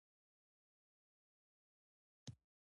د عسکرو ټوپک او آسونه به نه رانه غواړې!